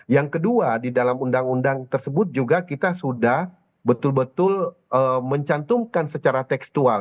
yang kedua di dalam undang undang tersebut juga kita sudah betul betul mencantumkan secara tekstual